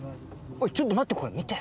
ちょっと待ってこれ見て。